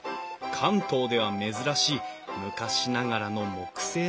関東では珍しい昔ながらの木製の冠水橋。